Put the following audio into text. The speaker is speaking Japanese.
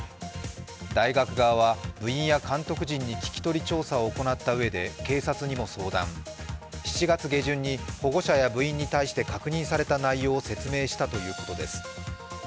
大学側は、部員や監督陣に聞き取り調査を行ったうで警察にも相談、７月下旬に保護者や部員に対して確認された内容を説明したということです。